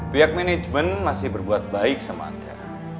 pihak manajemen masih berbuat baik sama anda